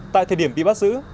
tại thời điểm bị bắt giữ